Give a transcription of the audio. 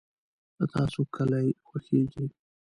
د تاسو کلي خوښیږي؟